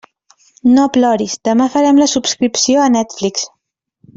No ploris, demà farem la subscripció a Netflix.